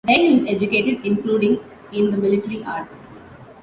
There he was educated, including in the military arts.